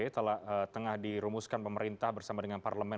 telah tengah dirumuskan pemerintah bersama dengan parlemen